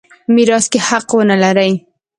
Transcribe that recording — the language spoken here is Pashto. میراث کې حق ونه لري.